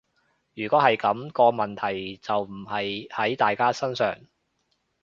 如果係噉，個問題就唔係喺大家身上